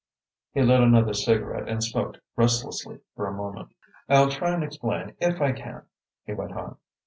He lit another cigarette and smoked restlessly for a moment. "I'll try and explain, if I can," he went on.